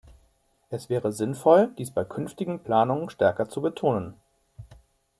Es wäre sinnvoll, dies bei künftigen Planungen stärker zu betonen.